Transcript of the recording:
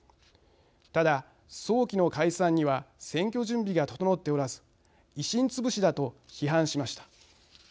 ただ早期の解散には選挙準備が整っておらず維新つぶしだと批判しました。